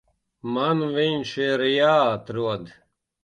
Man viņš ir jāatrod.